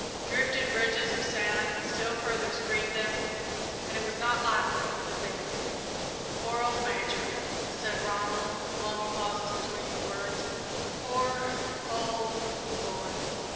Drifted ridges of sand still further screened them, and it was not likely that they would be seen. "Poor old Major," said Ronald, with long pauses between the words; "poor old boy!"